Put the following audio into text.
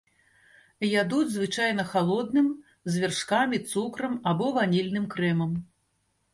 Ядуць звычайна халодным з вяршкамі, цукрам або ванільным крэмам.